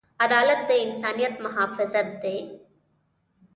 عدالت د انسانیت محافظ دی.